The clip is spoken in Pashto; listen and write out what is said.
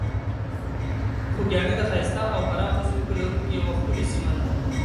خوږیاڼي د ښایسته او پراخو ځمکو لرونکې یوه ښکلې سیمه ده.